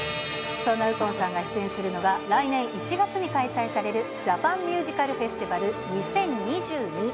そんな右近さんが出演するのが、来年１月に開催されるジャパンミュージカルフェスティバル２０２２。